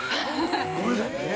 ごめんなさい。